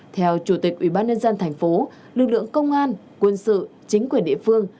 theo chủ tịch ubnd tp lực lượng công an quân sự chính quyền địa phương